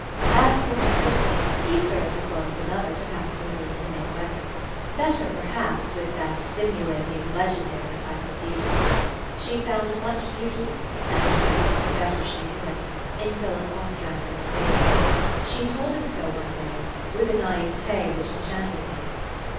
As for her sitter, he served as well as another to pass the mood of the May weather ; better, perhaps, with that stimulating, legendary type of beauty. She found much beauty and more, the better she knew it in Philip Ostrander's face. She told him so one day, with a naivete which enchanted him.